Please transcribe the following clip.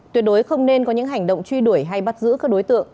tuyệt đối không nên có những hành động truy đuổi hay bắt giữ các đối tượng